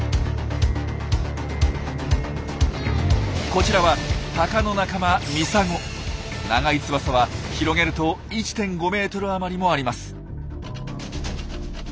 こちらはタカの仲間長い翼は広げると１．５ｍ余りもあります。